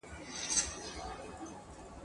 انګرېزان پاڼ ته پراته دي.